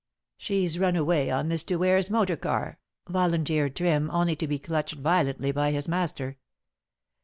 "She's run way on Mr. Ware's motor car," volunteered Trim, only to be clutched violently by his master.